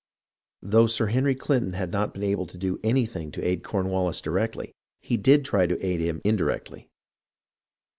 Though Sir Henry had not been able to do anything to aid Cornwallis directly, he did try to aid him indirectly.